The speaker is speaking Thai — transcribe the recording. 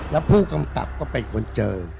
แล้วผู้กำกับก็เป็นคนเจอ